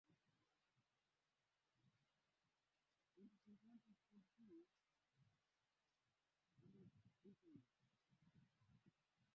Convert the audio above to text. Na sasa ni mahali pa kutembelea watalii